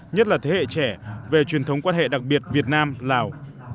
nhất là thế hệ trẻ về truyền thống quan hệ đặc biệt việt nam lào